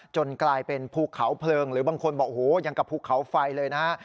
กลายเป็นภูเขาเพลิงหรือบางคนบอกโอ้โหยังกับภูเขาไฟเลยนะฮะ